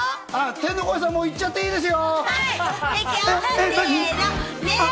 天の声さん、もう行っちゃっていいですよ！